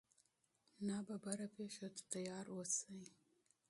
ناڅاپي پیښو ته چمتو اوسئ.